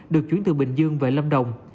được chuyển từ bình dương về long đồng